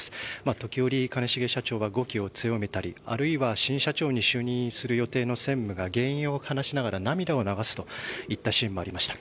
時折、兼重社長は語気を強めたりあるいは新社長に就任する予定の専務が原因を話しながら涙を流すといったシーンもありました。